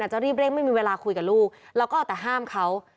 จะรีบเร่งไม่มีเวลาคุยกับลูกแล้วก็เอาแต่ห้ามเขา